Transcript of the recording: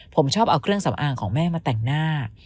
ผมชอบเอาเครื่องสำอางของแม่มาแต่งหน้า